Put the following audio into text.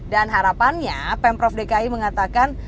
dan harapannya pemprov dki mengatakan